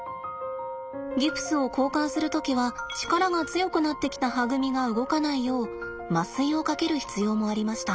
ギプスを交換する時は力が強くなってきたはぐみが動かないよう麻酔をかける必要もありました。